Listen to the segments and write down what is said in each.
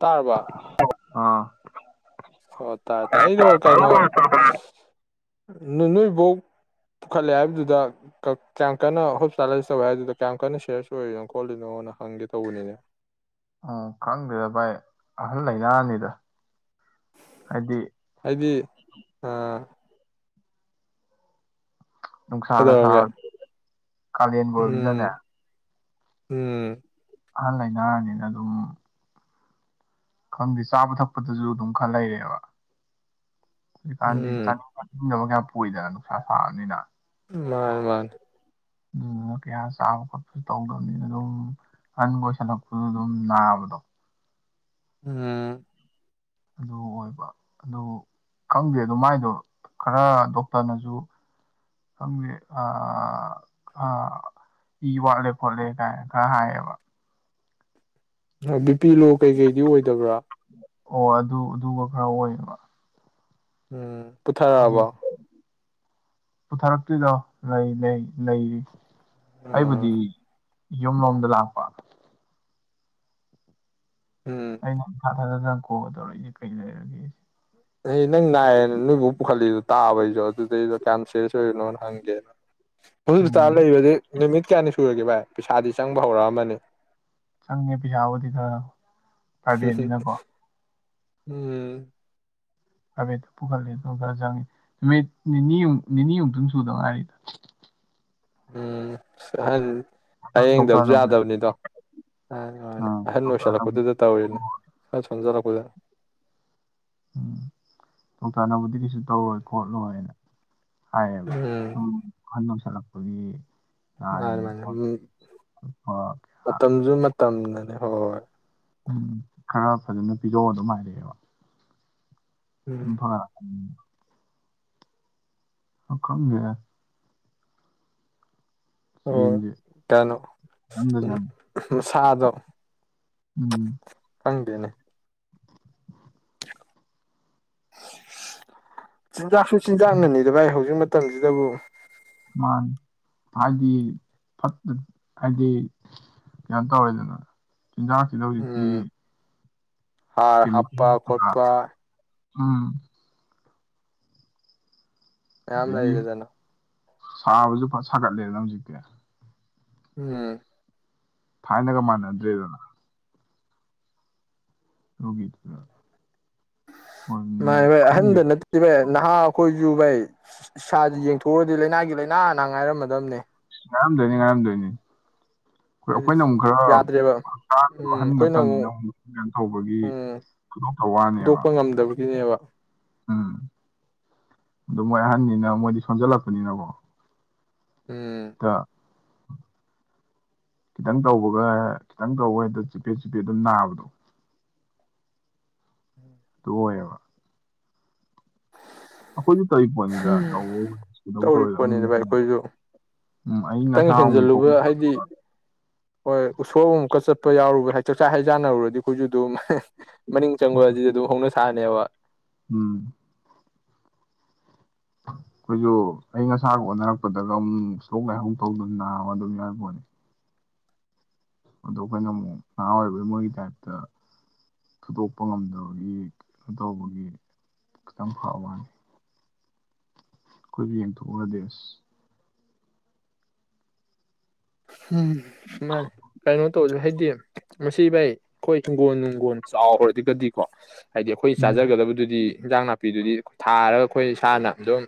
ꯇꯥꯔꯔꯕ ꯑ ꯑꯣ ꯇꯥꯏꯦ ꯇꯔꯦ ꯑꯩꯗꯣ ꯀꯩꯅꯣ ꯅꯣꯏꯕꯧ ꯄꯨꯈꯠꯂꯦ ꯍꯥꯏꯕꯗꯨꯗ ꯀꯌꯥꯝ ꯀꯟꯅ ꯍꯣꯁꯄꯤꯇꯥꯜꯂꯥꯏꯁ ꯇꯧꯦ ꯍꯥꯏꯕꯗꯨꯗ ꯀꯌꯥꯝ ꯀꯟꯅ ꯁꯤꯔꯁ ꯑꯣꯏꯔꯤꯅꯣ ꯈꯣꯠꯂꯤꯅꯣꯅ ꯍꯪꯒꯦ ꯇꯧꯕꯅꯤꯅꯦ ꯎ ꯈꯪꯗꯦꯗ ꯚꯥꯏ ꯑꯍꯜ ꯂꯩꯅꯥꯅꯤꯗ ꯍꯥꯏꯗꯤ ꯑꯥ ꯅ ꯁꯥꯒ ꯁꯥ ꯀꯩꯗꯧꯔꯒꯦ ꯀꯜꯦꯟꯕꯕꯤꯅꯅꯦ ꯎꯝ ꯎꯝ ꯑꯍꯜ ꯂꯩꯅꯥꯔꯕꯅꯤꯅ ꯑꯗꯨꯝ ꯈꯪꯗꯦ ꯆꯥꯕ ꯊꯛꯄꯗꯁꯨ ꯑꯗꯨꯝ ꯈꯔ ꯂꯩꯔꯦꯕ ꯀꯥꯟ ꯎꯝ ꯆꯥꯟꯕꯒ ꯑꯣꯏꯗꯅ ꯅꯨꯡꯁꯥ ꯁꯥꯅꯤꯅ ꯃꯥꯥꯟ ꯃꯥꯥꯟ ꯑꯗꯨꯗꯨꯅ ꯀꯌꯥ ꯆꯥꯕ ꯈꯣꯠꯄꯁꯨ ꯇꯧꯗꯕꯅꯤꯅ ꯑꯗꯨꯝ ꯑꯟꯕ ꯑꯣꯏꯁꯜꯂꯛꯄꯁꯨ ꯑꯗꯨꯝ ꯅꯥꯕꯗꯣ ꯑꯝ ꯑꯗꯨ ꯑꯣꯏꯕ ꯑꯗꯨ ꯈꯪꯗꯦ ꯑꯗꯨ ꯃꯥꯏꯗꯣ ꯈꯔ ꯗꯣꯛꯇꯔꯅꯁꯨ ꯈꯪꯗꯦ ꯏ ꯋꯥꯠꯂꯦ ꯈꯣꯠꯂꯦ ꯀꯥꯏꯅ ꯈꯔ ꯍꯥꯏꯌꯦꯕ ꯕꯤꯄꯤꯤ ꯂꯣ ꯀꯩꯀꯩꯗꯤ ꯑꯣꯏꯗꯕ꯭ꯔꯥ ꯑꯣ ꯑꯗꯨ ꯑꯗꯨꯒ ꯈꯔ ꯑꯣꯏꯌꯦꯕ ꯎꯝ ꯄꯨꯊꯔꯛꯑꯕ ꯄꯨꯊꯔꯛꯇꯣꯏꯗꯣ ꯂꯩ ꯂꯩ ꯂꯩꯔꯤ ꯎꯝ ꯑꯩꯕꯗꯤ ꯌꯨꯝ ꯃꯝꯗ ꯂꯥꯛꯄ ꯎꯝ ꯑꯩ ꯍ ꯅꯪ ꯀꯣꯜ ꯇꯧꯔꯛꯏꯁꯦ ꯀꯩ ꯂꯩꯔꯒꯦꯁꯦ ꯍ ꯅꯪ ꯅꯥꯏꯑꯦ ꯅꯣꯏꯕꯨ ꯄꯨꯈꯠꯂꯤꯗꯣ ꯇꯥꯕꯩꯁꯨꯣ ꯑꯗꯨꯗꯩꯗꯣ ꯀꯌꯥꯝ ꯁꯦꯔꯁ ꯑꯣꯏꯔꯤꯣꯏꯅꯣ ꯍꯪꯒꯦꯅ ꯍꯧ ꯎꯝ ꯆꯥꯕ ꯅꯨꯃꯤ ꯀꯌꯥꯅꯤ ꯁꯨꯔꯒꯦ ꯚꯥꯏ ꯄꯩꯁꯥꯗꯤ ꯆꯪꯕ ꯍꯧꯔꯛꯑꯃꯅꯤ ꯆꯪꯉꯦ ꯄꯩꯁꯥꯕꯨꯗꯤ ꯈꯔ ꯄ꯭ꯔꯥꯏꯚꯦꯠꯅꯤꯅꯀꯣ ꯎꯝ ꯍꯥꯏꯐꯦꯠꯇ ꯄꯨꯈꯠꯂꯦ ꯑꯗꯨꯝ ꯈꯔ ꯆꯪꯉꯤ ꯅꯨ ꯅꯤꯅꯤꯨꯛ ꯅꯤꯅꯤ ꯑꯨꯛꯇꯨ ꯁꯨꯗ ꯉꯥꯏꯔꯤꯗ ꯎꯝ ꯍ ꯑꯗꯣ ꯍꯌꯦꯡꯗꯕꯁꯨ ꯗꯣꯛꯇꯔꯅꯕꯨꯗꯤ ꯌꯥꯗꯕꯅꯤꯗꯣꯅꯤ ꯑꯥ ꯑꯍꯟ ꯗꯣꯛꯇꯔꯅꯕꯨꯗꯤ ꯑꯣꯏꯣꯏꯁꯤꯜꯂꯛꯄꯗꯨꯗ ꯇꯧꯔꯤꯅꯦ ꯁ ꯁꯣꯟꯖꯜꯂꯛꯄ ꯄꯨꯂ ꯎꯝ ꯗꯣꯛꯇꯔꯅꯕꯨꯗꯤ ꯀꯩꯁꯨ ꯇꯧꯔꯣꯏ ꯈꯣꯠꯂꯣꯏꯅ ꯍꯥꯏꯕ ꯎꯝ ꯆꯂꯄꯒꯤ ꯃꯥꯅꯤ ꯉꯏꯅꯤ ꯃꯥꯅꯤ ꯎꯝ ꯇꯝꯅꯅꯤ ꯍꯣꯏ ꯎꯝ ꯈꯔ ꯐꯖꯅ ꯄꯤꯊꯣꯛꯑꯣ ꯑꯗꯨꯝ ꯍꯥꯏꯔꯛꯑꯦꯕ ꯎꯝ ꯐ ꯎ ꯑ ꯈꯪꯒꯦ ꯍꯣꯏ ꯆꯦꯟꯁꯦ ꯀꯩꯅꯣ ꯈꯤꯇꯪꯗ ꯆꯪ ꯃꯁꯥꯗꯣ ꯎꯝ ꯈꯪꯗꯦꯅꯦ ꯆꯤꯟꯖꯥꯛꯁꯨ ꯆꯤꯟꯖꯥꯛꯅꯅꯤꯗ ꯚꯥꯏ ꯍꯧꯖꯤꯛ ꯃꯇꯝꯁꯤꯗꯕꯨ ꯃꯥ ꯍꯥꯏꯗꯤ ꯐ ꯍꯥꯏꯗꯤ ꯀꯩꯅꯣ ꯇꯧꯋꯦꯗꯅ ꯆꯤꯟꯖꯥꯛꯁꯤꯗ ꯍꯧꯖꯤꯛꯇꯤ ꯎꯝ ꯍꯥꯔ ꯍꯥꯞꯄꯄꯥ ꯈꯣꯠꯄ ꯑꯝ ꯑꯝ ꯂ ꯑꯗꯩꯗꯤ ꯂꯩꯗꯅꯣ ꯁꯥꯕꯁꯨ ꯐꯠ ꯁꯥꯒꯠꯂꯦꯅ ꯍꯧꯖꯤꯛꯇꯤ ꯎꯝ ꯊꯥꯏꯅꯒ ꯃꯥꯟꯅꯗ꯭ꯔꯦꯗꯅ ꯔꯣꯒꯤꯠꯔ ꯃꯥ ꯏꯕ ꯑꯍꯟꯗ ꯅꯠꯇꯗꯤꯕ ꯅꯍꯥ ꯑꯩꯈꯣꯏꯁꯨ ꯥꯏ ꯏꯁꯁꯤ ꯌꯦꯡꯊꯣꯛꯎꯑꯗꯤ ꯂꯥꯏꯅꯥꯒꯤ ꯂꯥꯏꯅꯥ ꯑꯅ ꯉꯥꯏꯔꯝꯃꯗꯕꯅꯦ ꯉꯥꯡꯔꯝꯗꯣꯏꯅꯤ ꯉꯔꯝꯗꯣꯏꯅꯤ ꯍꯣꯏ ꯍꯥꯏꯗꯤ ꯑꯩꯈꯣꯏꯅ ꯑꯃꯨꯛ ꯈꯔ ꯌꯥꯗ꯭ꯔꯦꯕ ꯍꯛꯇꯥꯥꯡꯗ ꯎꯝ ꯋꯥꯍꯟ ꯑꯩꯈꯣꯏꯅ ꯅꯠꯇꯕꯅꯤꯅ ꯑꯃꯨꯛ ꯍꯒꯟ ꯊꯧꯕꯒꯤ ꯎꯝ ꯈꯨꯗꯣꯛꯇ ꯋꯥꯅꯦꯕ ꯐꯨꯗꯣꯛꯄ ꯉꯝꯗꯕꯒꯤꯅꯦꯕ ꯎꯝ ꯑ ꯃꯣꯏ ꯑꯍꯟꯅꯤꯅ ꯃꯣꯏꯗꯤ ꯁꯣꯟꯖꯜꯂꯛꯄꯅꯤꯅꯀꯣ ꯎꯝ ꯑ ꯈꯤꯇꯪ ꯇꯧꯕꯒ ꯈꯤꯇꯪ ꯇꯧꯋꯦꯗ ꯆꯤꯄꯦ ꯆꯤꯄꯦꯠ ꯑꯗꯨꯝ ꯅꯥꯕꯗꯣ ꯑꯗꯨ ꯑꯣꯏꯌꯦꯕ ꯑꯩꯈꯣꯏꯁꯨ ꯇꯧꯔꯤ ꯄꯣꯠꯅꯤꯗ ꯇꯧꯕꯕꯨ ꯀꯩꯗꯧ ꯇꯧꯔꯤ ꯇꯧꯋꯦꯗ ꯄꯣꯠꯅꯤꯅ ꯑꯃꯨꯛ ꯚꯥꯏ ꯑꯩꯈꯣꯏꯁꯨ ꯎꯝ ꯑꯏꯪ ꯈꯤꯇꯪ ꯑꯁꯥ ꯑꯃꯨꯛ ꯎꯝ ꯍꯦꯟꯖꯜꯂꯨꯕ ꯍꯥꯏꯗꯤ ꯍꯣꯏ ꯎꯁꯣ ꯑꯃꯨꯛꯀ ꯆꯠꯄ ꯌꯥꯎꯔꯨꯕ ꯍꯥꯏꯇꯥꯔꯦ ꯆꯥꯛ ꯍꯩꯖꯥꯟꯅꯔꯨꯔꯗꯤ ꯑꯩꯈꯣꯏꯁꯨ ꯑꯗꯨꯝ ꯃꯅꯤꯡ ꯆꯪꯕ ꯑꯁꯤꯗꯤ ꯑꯗꯨꯝ ꯍꯧꯅ ꯁꯥ ꯑꯕ ꯎꯝ ꯑꯩꯈꯣꯏꯁꯨ ꯑꯏꯪ ꯑꯁꯥꯒ ꯑꯣꯟꯅꯔꯛꯄꯗꯒ ꯑꯃꯨꯛ ꯁꯣꯛ ꯂꯥꯏꯍꯧ ꯊꯣꯛꯧ ꯅꯥꯕ ꯑꯗꯨꯝ ꯌꯥꯏ ꯄꯣꯠꯅꯤ ꯑꯗꯣ ꯑꯩꯈꯣꯏꯅ ꯑꯃꯨꯛ ꯅꯍꯥ ꯑꯣꯏꯔꯤꯕꯩ ꯃꯣꯏꯒꯤ ꯇꯥꯏꯞꯇ ꯊꯨꯗꯣꯛꯄ ꯉꯝꯗꯕꯒꯤ ꯀꯩꯅꯣ ꯇꯧꯕꯒꯤ ꯈꯤꯇꯪ ꯐꯕ ꯋꯥꯅꯤ ꯀꯣꯏꯕꯤ ꯌꯦꯡꯊꯣꯛꯗꯦꯁ ꯎꯝ ꯃꯥꯥꯏ ꯀꯩꯅꯅ ꯇꯧꯖꯂꯦ ꯍꯥꯏꯗꯤ ꯃꯁꯤ ꯥꯏ ꯑꯩꯈꯣꯏ ꯍꯤꯡꯒꯣꯜ ꯅꯨꯡꯒꯣꯜ ꯆꯥꯎꯈ꯭ꯔꯒꯗꯤꯀꯣ ꯍꯥꯏꯗꯤ ꯑꯩꯈꯣꯏ ꯎꯝ ꯆꯥꯖꯒꯗꯕꯗꯨꯗꯤ ꯏꯟꯖꯥꯡ ꯅꯥꯄꯤꯗꯨꯗꯤ ꯊꯥꯔꯒ ꯑꯩꯈꯣꯏ ꯏꯁꯥꯅ ꯑꯗꯨꯝ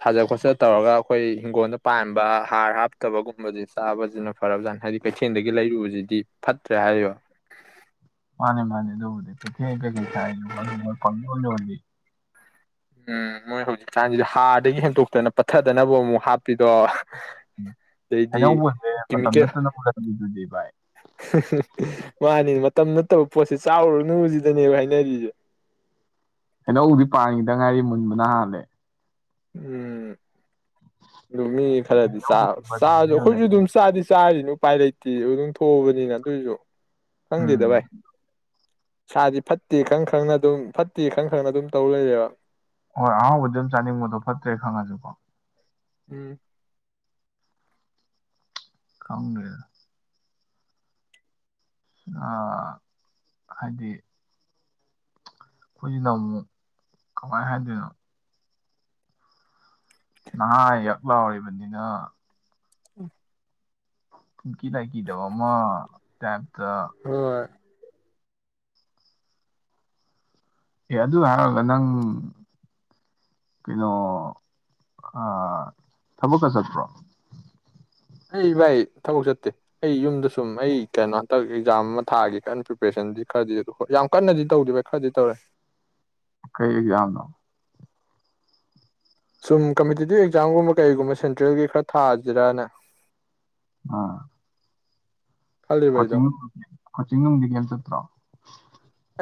ꯊꯥꯖ ꯈꯣꯠꯆ ꯇꯧꯔꯒ ꯑꯩꯈꯣꯏ ꯍꯤꯡꯒꯣꯜꯗ ꯄꯥꯟꯕ ꯍꯥꯔ ꯍꯥꯞ ꯐꯠꯇꯕꯒꯨꯝꯕꯁ ꯆꯥꯕꯁꯤꯅ ꯐꯔꯕꯖꯥꯠ ꯍꯥꯏꯗꯤ ꯀꯩꯊꯦꯜꯗꯒꯤ ꯂꯩꯔꯨꯕꯁꯤꯗꯤ ꯐꯠꯇ꯭ꯔꯦ ꯍꯥꯏꯕ ꯃꯥꯅꯦ ꯃꯥꯅꯦ ꯑꯗꯨ ꯀꯩ ꯊ ꯀꯩ ꯀ ꯊꯥꯏ ꯐꯪ ꯎꯝ ꯃꯣꯏ ꯍꯧꯖꯤꯛ ꯆꯥꯟꯁꯤꯗ ꯍꯥꯔꯗꯒꯤ ꯍꯦꯟꯗꯣꯛꯇꯅ ꯄꯠꯊꯗꯅꯕ ꯑꯃꯨꯛ ꯍꯥꯞꯄꯤꯗꯣ ꯑꯗꯩꯗꯤ ꯍꯩꯅꯧ ꯃꯨꯟꯕꯩ ꯃꯇꯝ ꯀꯦꯃꯤꯀꯦꯜ ꯅꯠꯇꯅ ꯃꯨꯜꯍꯟꯕꯤꯗꯨꯗꯤ ꯚꯥꯏ ꯃꯥꯅꯤ ꯇꯞ ꯅꯠꯇꯕ ꯄꯣꯠꯁꯦ ꯆꯥꯎꯔꯨꯅꯨꯕꯁꯤꯗꯅꯦꯕ ꯍꯥꯏꯅꯔꯤꯁꯦ ꯍꯂꯧꯗꯤ ꯄꯥꯉꯗ ꯉꯥꯏꯔꯤ ꯃꯨꯟꯕꯅ ꯍꯥꯜꯂꯦ ꯎꯝ ꯑꯗꯨ ꯃꯤ ꯈꯔꯗꯤ ꯆꯥ ꯍꯩꯅꯧꯗꯤ ꯆꯥꯁꯨ ꯕꯖꯥꯔꯗ ꯑꯩꯈꯣꯏꯁꯨ ꯌꯣꯟꯅꯩ ꯑꯗꯨꯝ ꯆꯥꯗꯤ ꯆꯥꯔꯤꯅꯤ ꯎꯄꯥꯏ ꯂꯩꯇꯦ ꯤ ꯑꯗꯨꯝ ꯊꯣꯛꯑꯕꯅꯤꯅ ꯑꯗꯨꯏꯁꯨ ꯍꯪꯗꯗ ꯎꯝ ꯚꯏ ꯁꯥꯗꯤ ꯐꯠꯇꯦ ꯈꯪ ꯈ꯭ꯔꯪꯅ ꯑꯗꯨꯝ ꯐꯠꯇꯦ ꯈꯪ ꯈ꯭ꯔꯪꯅ ꯑꯗꯨꯝ ꯇꯧꯔ ꯂꯩꯔꯦꯕ ꯍꯣꯏ ꯑꯍꯥꯎꯕꯗꯤ ꯑꯗꯨꯝ ꯆꯥꯅꯤꯡꯕꯗꯣ ꯐꯠꯇ꯭ꯔꯦ ꯈꯪꯉꯁꯨꯀꯣ ꯎꯝ ꯈꯥꯎꯒꯦ ꯍꯥꯏꯗꯤ ꯑꯩꯈꯣꯏꯁꯤꯅ ꯑꯃꯨꯛ ꯀꯃꯥꯏ ꯍꯥꯏꯗꯣꯏꯅꯣ ꯅꯍꯥꯟ ꯌꯞ ꯂꯥꯎꯔꯤꯕꯔꯤꯕꯟꯅꯤꯅ ꯎꯝ ꯑ ꯀ ꯇꯥꯏ ꯀ ꯇꯕꯣ ꯑꯃ ꯇꯥꯏꯗ ꯍꯣꯏ ꯑꯦ ꯑꯗꯨ ꯍꯥꯏꯔꯒ ꯅꯪ ꯀꯩꯅꯣ ꯊꯕꯛꯀ ꯆꯠꯄ꯭ꯔꯣ ꯑꯩ ꯚꯥꯏ ꯊꯕꯛ ꯆꯠꯇꯦ ꯑꯩ ꯌꯨꯝꯗ ꯁꯨꯝ ꯑꯩ ꯀꯩꯅꯣ ꯍꯟꯇꯛ ꯑꯦꯛꯖꯥꯝ ꯑꯃ ꯊꯥꯒꯦ ꯀꯟꯅ ꯄ꯭ꯔꯤꯄꯦꯔꯦꯁꯟꯗꯤ ꯈꯔꯗꯤ ꯍꯣꯏ ꯌꯥꯝ ꯀꯟꯅꯗꯤ ꯇꯧꯗꯦ ꯚꯥꯏ ꯈꯔꯗꯤ ꯇꯧꯔꯦ ꯀꯩ ꯑꯦꯛꯖꯥꯝ ꯅ ꯁꯨꯝ ꯀꯝꯄꯤꯇꯤꯇꯤꯞ ꯑꯦꯛꯖꯥꯝꯒꯨꯝꯕ ꯀꯩꯒꯨꯝꯕ ꯁꯦꯟꯇ꯭ꯔꯦꯜꯒꯤ ꯈꯔ ꯊꯥꯁꯤꯔꯅ ꯑꯥ ꯈꯜꯂꯤꯕ ꯑꯩꯗꯣ ꯀꯣꯆꯤꯡ ꯀꯣꯆꯤꯡꯗꯤ ꯈꯦꯦꯜꯁꯇ꯭ꯔꯥ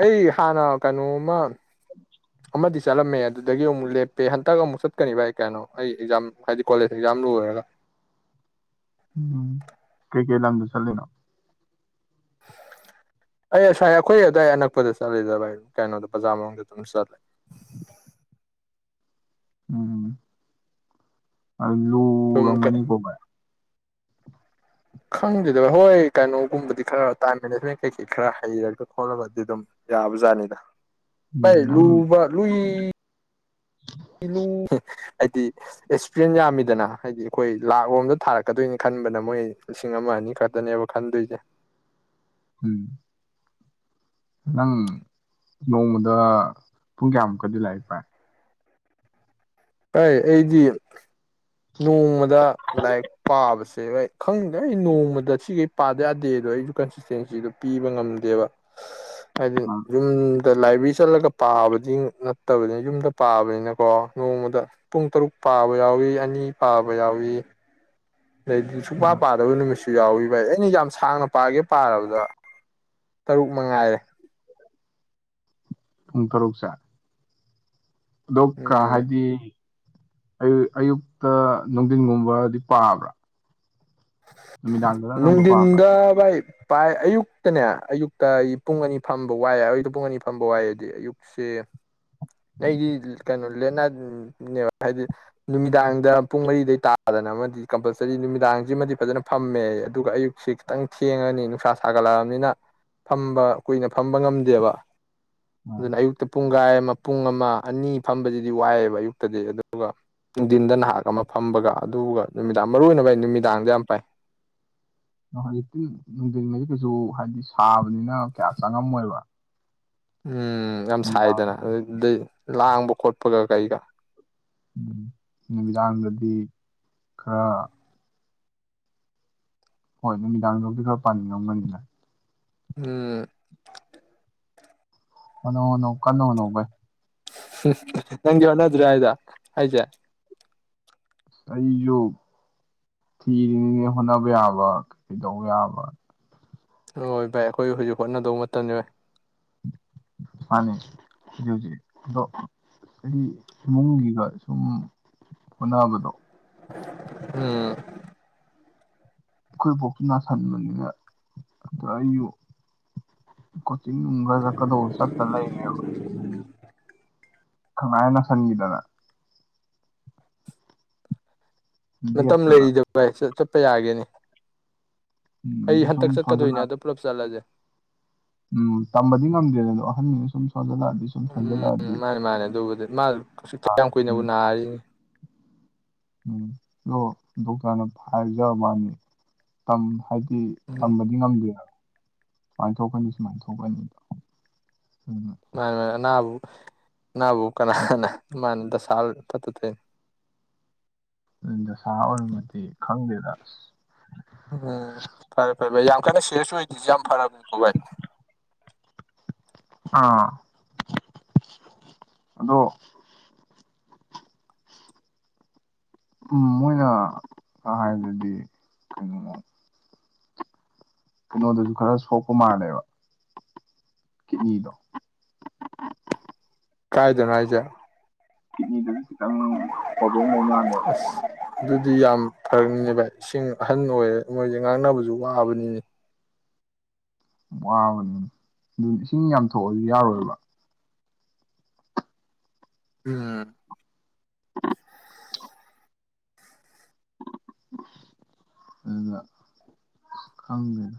ꯑꯩ ꯍꯥꯟꯅ ꯀꯩꯅꯣꯃ ꯑꯃꯗꯤ ꯆꯠꯂꯝꯃꯦ ꯑꯗꯨꯗꯒꯤ ꯑꯃꯨꯛ ꯂꯦꯞꯄꯦ ꯍꯟꯗꯛ ꯑꯃꯨꯛ ꯆꯠꯀꯅꯤ ꯚꯥꯏ ꯀꯩꯅꯣ ꯑꯩ ꯑꯦꯛꯖꯥꯝ ꯍꯥꯏꯗꯤ ꯀꯣꯂꯦꯖ ꯑꯦꯛꯖꯥꯝ ꯂꯣꯏꯔꯒ ꯎꯝ ꯒꯤꯦ ꯂꯪꯗꯨ ꯆꯂꯅꯣ ꯑꯩ ꯉꯁꯥꯏ ꯑꯩꯈꯣꯏ ꯑꯗꯨꯋꯥꯏ ꯑꯅꯛꯄꯗ ꯆꯠꯂꯤꯗꯕ ꯀꯩꯅꯣꯗ ꯕꯖꯥꯔ ꯃꯅꯨꯡꯗ ꯑꯗꯨꯝ ꯆꯠꯂꯦ ꯎꯝ ꯑꯜ ꯂꯨ ꯁꯨꯝ ꯔꯃꯅꯤ ꯀꯣꯕ ꯈꯪꯗꯦꯗꯕ ꯍꯣꯏ ꯀꯩꯅꯣꯒꯨꯝꯕꯗꯤ ꯈꯔ ꯇꯥꯏꯝ ꯃꯦꯅꯦꯖꯃꯦꯟ ꯀꯩꯀꯩ ꯈꯔ ꯍꯩꯔꯒ ꯈꯣꯠꯂꯒꯗꯤ ꯑꯗꯨꯝ ꯌꯥꯕ ꯖꯥꯠꯅꯤꯗ ꯄꯥꯏ ꯅꯪ ꯂꯨꯚ ꯂꯨꯏ ꯨ ꯍꯥꯏꯗꯤ ꯑꯦꯛꯁꯄꯤꯔꯤꯟ ꯌꯥꯝꯃꯤꯗꯅ ꯍꯥꯏꯗꯤ ꯑꯩꯈꯣꯏ ꯂꯥꯛ ꯔꯣꯝꯗ ꯊꯥꯔꯛꯀꯗꯣꯏꯅꯤ ꯈꯟꯕꯅ ꯃꯣꯏ ꯂꯤꯁꯤꯡ ꯑꯃ ꯑꯅꯤ ꯈꯛꯇꯅꯦꯕ ꯈꯟꯗꯣꯏꯖꯦ ꯎꯝ ꯅꯪ ꯅꯣꯡꯃꯗ ꯄꯨꯡ ꯀꯌꯥꯃꯨꯛꯀꯗꯤ ꯂꯥꯏꯔꯤꯛ ꯄꯥꯏ ꯍꯏ ꯑꯩꯗꯤ ꯅꯣꯡꯃꯗ ꯂꯥꯏꯔꯤꯛ ꯄꯥꯕꯁꯦ ꯚꯥꯏ ꯈꯪꯗꯦ ꯑꯩ ꯅꯣꯡꯃꯗ ꯁꯤꯈꯩ ꯄꯥꯗ ꯌꯥꯗꯦꯗꯣ ꯑꯩꯁꯨ ꯀꯟꯁꯤꯁꯇꯦꯟꯁꯤꯗꯣ ꯄꯤꯕ ꯉꯝꯗꯦꯕ ꯑꯗꯨ ꯌꯨꯝ ꯑꯗ ꯂꯥꯏꯕ꯭ꯔꯤ ꯆꯠꯂꯒ ꯄꯥꯕꯗꯤ ꯅꯠꯇꯕꯅꯤꯅ ꯌꯨꯝꯗ ꯄꯥꯕꯅꯤꯅꯀꯣ ꯅꯣꯡꯃ__ ꯗ ꯄꯨꯡ ꯇꯔꯨꯛ ꯄꯥꯕ ꯌꯥꯎꯏ ꯑꯅꯤ ꯄꯥꯕ ꯌꯥꯎꯏ ꯂꯩꯗꯤ ꯁꯨꯛꯄꯥ ꯄꯥꯗꯕ ꯅꯨꯃꯤꯠꯁꯤ ꯁꯨ ꯌꯥꯎꯏꯤ ꯚꯥꯏ ꯑꯩꯅ ꯌꯥꯝ ꯁꯥꯡꯅ ꯄꯥꯒꯦ ꯄꯥꯔꯕꯗ ꯇꯔꯨꯛ ꯃꯉꯥꯏꯔꯦ ꯄꯨꯡ ꯇꯔꯨꯛꯁꯦ ꯑꯗꯣꯛ ꯀ ꯎꯝ ꯍꯥꯏꯗꯤ ꯑ ꯑꯌꯨꯛꯇ ꯅꯨꯡꯊꯤꯟꯒꯨꯝꯕꯗꯤ ꯄꯥꯕ꯭ꯔꯥ ꯅꯨꯃꯤꯗꯥꯡꯗꯅ ꯑꯅꯝꯕ ꯄꯥꯕ꯭ꯔꯥ ꯅꯨꯡꯗꯤꯟꯗ ꯚꯏ ꯄꯥꯏ ꯑꯌꯨꯛꯇꯅꯦ ꯑꯌꯨꯛꯇ ꯑꯩ ꯄꯨꯡ ꯑꯅꯤ ꯐꯝꯕ ꯋꯥꯏ ꯑꯌꯨꯛꯇ ꯄꯨꯡ ꯑꯅꯤ ꯐꯝꯕ ꯋꯥꯏꯑꯗꯤ ꯑꯌꯨꯛꯁꯦ ꯑꯩꯒꯤ ꯀꯩꯅꯣ ꯂꯦꯠꯅꯥꯏꯠꯅꯦꯕ ꯍꯥꯏꯗꯤ ꯅꯨꯃꯤꯗꯥꯡꯗ ꯄꯨꯡ ꯃꯔꯤꯗꯩ ꯇꯥꯗꯅ ꯑꯃꯗꯤ ꯀꯝꯄꯜꯁꯔꯤ ꯅꯨꯃꯤꯗꯥꯡ [unintelligible] ꯃꯗꯤ ꯐꯖꯅ ꯐꯝꯃꯦ ꯑꯗꯨꯒ ꯑꯌꯨꯛꯁꯤ ꯈꯤꯇꯪ ꯊꯦꯡꯉꯅꯤ ꯅꯨꯡꯁꯥ ꯁꯥꯒꯠꯂꯛꯑꯃꯤꯅ ꯐꯝꯕ ꯀꯨꯏꯅ ꯐꯝꯕ ꯉꯝꯗꯦꯕ ꯑꯗꯨꯅ ꯑꯌꯨꯛꯇ ꯄꯨꯡ ꯀꯥꯏ ꯄꯨꯡ ꯑꯃ ꯑꯅꯤ ꯐꯝꯕꯁꯤꯗꯤ ꯋꯥꯏꯑꯦꯕ ꯑꯌꯨꯛꯇꯗꯤ ꯑꯗꯨꯒ ꯅꯨꯡꯊꯤꯟꯗ ꯅꯍꯥꯛ ꯑꯃ ꯐꯝꯕꯒ ꯑꯗꯨꯒ ꯅꯨꯃꯤꯗꯥꯡ ꯃꯔꯨꯑꯣꯢꯅ ꯚꯥꯏ ꯗꯥꯥꯡꯍꯦ ꯌꯝ ꯄꯥꯏ [unintelligible] ꯀꯤꯁꯨ ꯍꯥꯏꯗꯤ ꯁꯥꯕꯅꯤꯅ ꯀꯌꯥ ꯆꯪꯉꯝꯃꯣꯏꯕ ꯎꯝ ꯌꯥꯝ ꯅꯨꯃꯤꯗꯥꯡ ꯁꯥꯏꯗꯅ ꯑꯗꯨꯗꯩ ꯂꯥꯡꯕ ꯈꯣꯠꯄꯒ ꯀꯩꯒ ꯈꯔꯥ ꯍꯣꯏ ꯅꯨꯃꯤꯗꯥꯡꯗꯕꯨꯗꯤ ꯈꯔ ꯄꯥꯅꯤꯡ ꯉꯝꯒꯅꯤꯅ ꯎꯝ ꯍꯣꯠꯅꯧ ꯍꯣꯠꯅꯧ ꯀꯟꯅꯥ ꯍꯣꯠꯅꯧ ꯚꯥꯏ ꯅꯪꯒꯤ ꯍꯣꯠꯗ꯭ꯔꯦ ꯍꯥꯏꯗꯨꯔꯥ ꯍꯥꯏꯖꯦ ꯑꯩꯁꯨ ꯊꯤꯔꯤꯅꯤꯅꯦ ꯍꯣꯠꯅꯕ ꯌꯥꯕ ꯀꯩꯗꯧꯕ ꯌꯥꯕ ꯍꯣꯏ ꯚꯥꯏ ꯑꯩꯈꯣꯏ ꯍꯧꯖꯤꯛ ꯍꯣꯠꯅꯗꯧꯕ ꯃꯇꯝꯅꯦ ꯚꯥꯏ ꯃꯥꯅꯩ ꯍꯧꯖꯤꯛ ꯍꯧꯖꯤꯛ ꯑꯗꯣ ꯑꯩꯗꯤ ꯏꯃꯨꯡꯒꯤꯒ ꯁꯨꯝ ꯍꯣꯠꯅꯕꯗꯣ ꯎꯝ ꯑꯩꯈꯣꯏ ꯕꯣꯛꯀꯤ ꯅꯥꯁꯤꯟꯕꯅꯤꯅ ꯑꯗ ꯑꯩꯁꯨ ꯀꯣꯆꯤꯡꯅꯨꯡꯒ ꯆꯠꯀꯗꯧꯕ ꯆꯠꯇ ꯂꯩꯌꯦꯕ ꯈꯪꯅꯥ ꯍꯦꯛ ꯅꯥꯁꯟꯒꯤꯗꯅ ꯃꯇꯝ ꯂꯦꯞꯇꯅ ꯂꯩꯔꯤꯗ ꯚꯏ ꯄ ꯌꯥꯒꯤꯅꯤ ꯎꯝ ꯑꯩ ꯑꯗꯨ ꯁꯨꯝ ꯍꯟꯇꯛ ꯆꯠꯀꯗꯣꯏꯅꯦ ꯑꯗ ꯁꯣꯟꯖꯜꯂꯛꯑꯗꯤ ꯄꯨꯂꯞ ꯆꯠꯂꯁꯦ ꯎꯝ ꯇꯝꯕꯗꯤ ꯉꯝꯗꯦꯗ ꯑꯗꯣ ꯑꯍꯟꯅ ꯁꯨꯝ ꯁꯣꯟꯖꯜꯂꯛꯑꯗꯤ ꯁꯨꯝ ꯎꯝ ꯁꯣꯟꯖꯜꯂꯛꯑꯗꯤ ꯃꯥꯅꯦ ꯃꯥꯅꯦ ꯑꯗꯨꯕꯨꯗꯤ ꯃꯥ ꯀꯁꯨ ꯀꯌꯥꯝ ꯀꯨꯏꯅꯕꯨ ꯎꯝ ꯅꯥꯔꯤꯅꯤ ꯎꯝ ꯑꯣ ꯗꯣꯛꯇꯥꯔꯅ ꯍꯥꯏꯖ ꯃꯥꯅꯤ ꯁꯤ ꯎꯝ ꯇꯝꯕꯗꯤ ꯉꯝꯗꯦꯗ ꯁꯨꯃꯥꯏꯅ ꯊꯣꯛꯀꯅꯤ ꯁꯨꯃꯥꯏꯅ ꯊꯣꯛꯀꯅꯤꯗ ꯃꯥ ꯃꯥ ꯑꯕꯨ ꯅꯥꯕꯨ ꯀꯅꯥꯅ ꯃꯥꯅꯗ ꯊ ꯇ ꯑꯗꯨꯗ ꯁꯍ ꯑꯣꯏꯃꯗꯤ ꯈꯪꯗꯦꯗꯥꯁ ꯎꯝ ꯐꯔꯦ ꯐꯔꯦ ꯌꯥꯝ ꯀꯟꯅ ꯁꯤꯔꯁꯨ ꯑꯣꯏꯗꯣꯏꯁꯦ ꯌꯥꯝ ꯐꯔꯕꯅꯤꯀꯣ ꯚꯥꯏ ꯑꯥ ꯑꯗꯣ ꯎꯝ ꯃꯣꯏꯅ ꯍꯥꯏꯔꯗꯗꯤ ꯀꯩꯅꯣ ꯀꯩꯅꯣꯗꯁꯨ ꯈꯔ ꯁꯣꯛꯄ ꯃꯥꯜꯂꯦꯕ ꯀꯤꯠꯅꯤꯗ ꯀꯥꯏꯗꯣꯅꯖ ꯀꯅꯤ ꯗꯟ ꯈꯤꯇꯪ ꯄ꯭ꯔꯣꯕ꯭ꯂꯦꯝ ꯂꯩ ꯃꯥꯂꯦ ꯑꯗꯨꯗꯤ ꯌꯥꯝ ꯐꯔꯛꯅꯤꯅꯦ ꯚꯥꯏ ꯏꯁꯤꯡ ꯑꯍꯟ ꯑꯣꯏꯔꯦ ꯃꯣꯏꯁꯦ ꯉꯥꯡꯅꯕꯁꯨ ꯋꯥꯕꯅꯤꯅꯦ ꯋꯥꯕꯅꯤ ꯑꯗꯨ ꯏꯁꯤꯡ ꯌꯥꯝ ꯊꯣꯛꯣꯛꯑꯁꯨ ꯌꯥꯔꯣꯏꯕ ꯎꯝ ꯑꯗꯨꯖ ꯈꯪꯒꯦꯅ